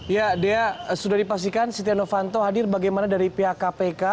ya dea sudah dipastikan setia novanto hadir bagaimana dari pihak kpk